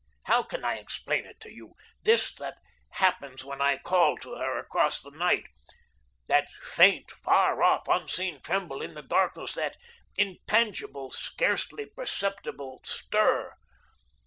How can I explain it to you, this that happens when I call to her across the night that faint, far off, unseen tremble in the darkness, that intangible, scarcely perceptible stir.